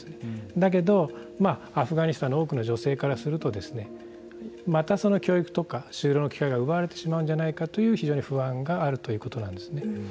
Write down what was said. だけど、アフガニスタンの多くの女性からするとまた教育とか就労の機会が奪われてしまうんじゃないかという非常に不安があるということなんですね。